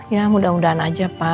ya mudah mudahan aja pak